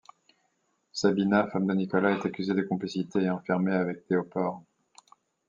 Sabina, femme de Nicolas, est accusée de complicité et enfermée avec Théophore.